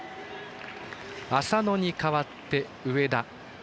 浅野に代わって上田。